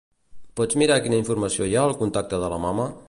Pots mirar quina informació hi ha al contacte de la mama?